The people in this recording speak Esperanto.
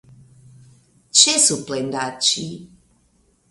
Ĉesu plendaĉi.